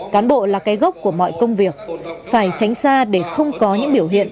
cán bộ là cái gốc của mọi công việc phải tránh xa để không có những biểu hiện